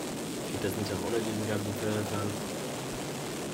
Geht das nicht auch ohne diesen ganzen Firlefanz?